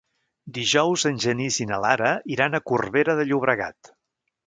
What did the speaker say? Dijous en Genís i na Lara iran a Corbera de Llobregat.